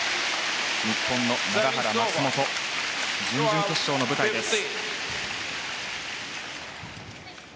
日本の永原、松本準々決勝の舞台です。